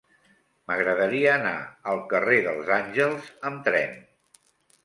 M'agradaria anar al carrer dels Àngels amb tren.